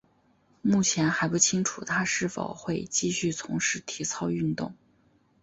目前还不清楚她是否会继续从事体操运动。